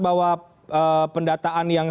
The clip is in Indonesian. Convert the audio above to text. bahwa pendataan yang